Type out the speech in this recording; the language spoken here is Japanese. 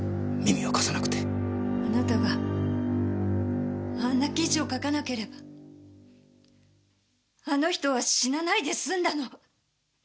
あなたがあんな記事を書かなければあの人は死なないですんだの。